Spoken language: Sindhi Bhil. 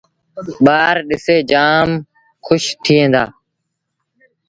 ٻآر ڏسي جآم کُش ٿئيٚݩ دآ۔